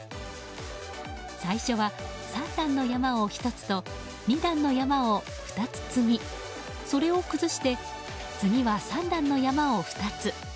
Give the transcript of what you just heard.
最初は３段の山を１つと２段の山を２つ積みそれを崩して次は３段の山を２つ。